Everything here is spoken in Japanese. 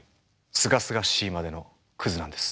すがすがしいまでのクズなんです。